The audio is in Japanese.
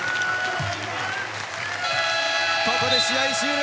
ここで試合終了！